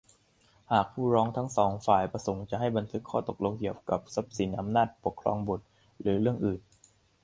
หากผู้ร้องทั้ง สอง ฝ่ายประสงค์จะให้บันทึกข้อตกลงเกี่ยวกับทรัพย์สิน อำนาจปกครองบุตร หรือเรื่องอื่น